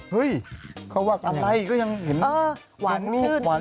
เฮ้ยอะไรก็ยังเห็นหวานลูกหวาน